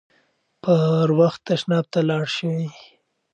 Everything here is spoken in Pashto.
پر وخت تشناب ته لاړ شئ.